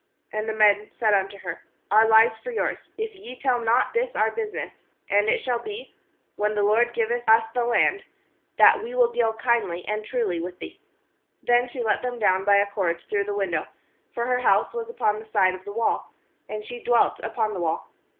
14And the men said unto her: 'Our Me for yours, if ye tell not this our business; and it shall be, when the LORD giveth us the land, that we will deal kindly and truly with thee.' 15Then she let them down by a cord through the window; for her house was upon the side of the wall, and she dwelt upon the wall.